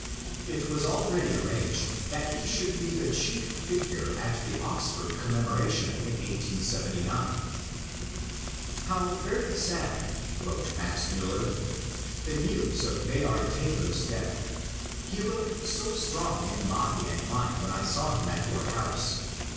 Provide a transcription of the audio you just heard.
It was already arranged that he should be the chief figure at the Oxford Commemo ration in 1879. " How very sad," wrote Max Miiller, " the news of Bayard Taylor's death. He looked so strong in body and mind when I saw him at your house.